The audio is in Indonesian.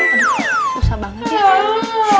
aduh susah banget ya